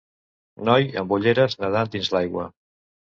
Noi amb ulleres nedant dins l'aigua.